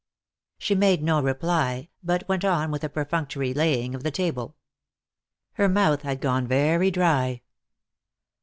She made no reply, but went on with a perfunctory laying of the table. Her mouth had gone very dry.